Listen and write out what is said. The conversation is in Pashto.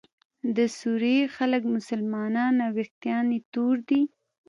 د سوریې خلک مسلمانان او ویښتان یې تور دي.